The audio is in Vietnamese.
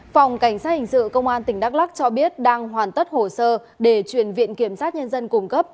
phòng cảnh sát hình sự công an tỉnh đắk lắc cho biết đang hoàn tất hồ sơ để chuyển viện kiểm sát nhân dân cung cấp